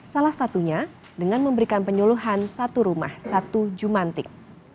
salah satunya dengan memberikan penyuluhan satu rumah satu jumantik